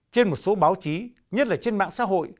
trên một số báo chí nhất là trên mạng xã hội